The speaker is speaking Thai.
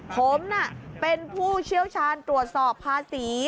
ผมเป็นผู้เชี่ยวชาญตรวจสอบภาษี